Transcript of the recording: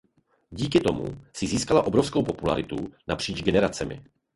Díky tomu si získala obrovskou popularitu napříč generacemi.